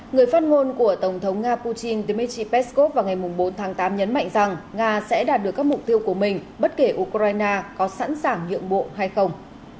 người phát ngôn của tổng thống nga putin dmitry peskov vào ngày bốn tháng tám nhấn mạnh rằng nga sẽ đạt được các mục tiêu của mình bất kể ukraine có sẵn sàng nhượng bộ hay không